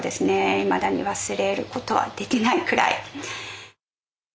いまだに忘れることはできないくらい。